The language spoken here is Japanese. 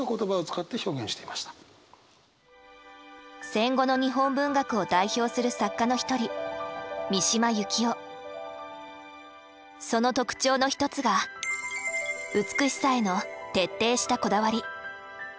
戦後の日本文学を代表する作家の一人その特徴の一つが美しさへの徹底したこだわり。